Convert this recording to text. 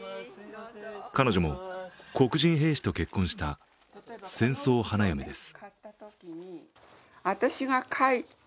彼女も黒人兵士と結婚した戦争花嫁です。